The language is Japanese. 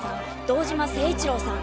堂島誠一郎さん